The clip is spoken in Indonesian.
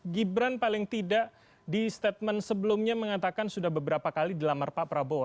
gibran paling tidak di statement sebelumnya mengatakan sudah beberapa kali dilamar pak prabowo